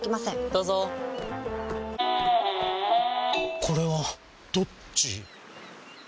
どうぞこれはどっち？